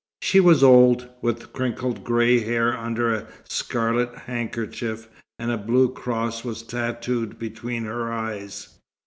She was old, with crinkled grey hair under a scarlet handkerchief, and a blue cross was tattooed between her eyes.